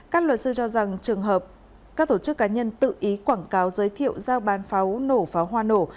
các luật sư cho rằng trường hợp các tổ chức cá nhân tự ý quảng cáo giới thiệu giao bán pháo nổ pháo hoa nổ